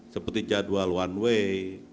seperti jadwal one way